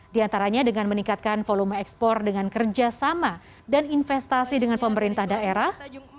di antaranya dengan meningkatkan volume ekspor dengan kerjasama dan investasi dengan pemerintah daerah